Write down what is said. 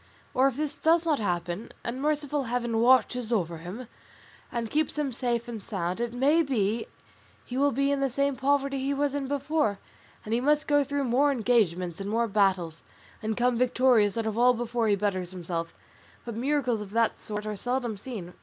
Or if this does not happen, and merciful Heaven watches over him and keeps him safe and sound, it may be he will be in the same poverty he was in before, and he must go through more engagements and more battles, and come victorious out of all before he betters himself; but miracles of that sort are seldom seen.